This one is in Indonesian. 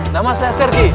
nama saya sergi